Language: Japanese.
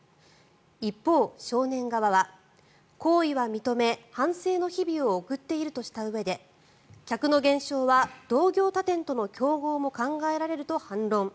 一方、少年側は行為は認め、反省の日々を送っているとしたうえで客の減少は同業他店との競合も考えられると反論。